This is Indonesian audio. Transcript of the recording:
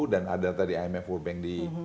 dan ada tadi imf urbeng di